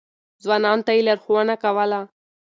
ځوانانو ته يې لارښوونه کوله.